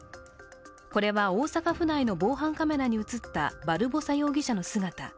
これは大阪府内の防犯カメラに映ったバルボサ容疑者の姿。